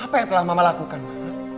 apa yang telah mama lakukan mama